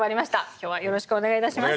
今日はよろしくお願いいたします。